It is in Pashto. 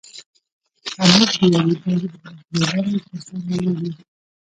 او موږ د یوې دوې لارې پر سر ولاړ یو.